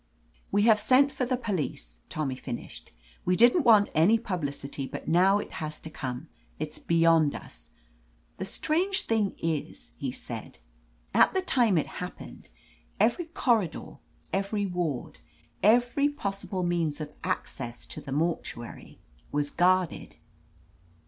We have sent for the police,*' Tommy fin ished. "We didn't want any publicity, but now it has to come. It's beyond us. The 144 OF LETITIA CARBERRY Strange thing is," he said, "at the time it hap pened, every corridor, every ward, every pos sible means of access to the mortuary was guarded."